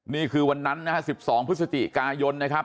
นี่คือวันนั้นนะฮะ๑๒พฤศจิกายนนะครับ